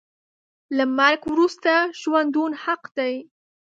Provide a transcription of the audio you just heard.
له مرګ وروسته ژوندون حق دی .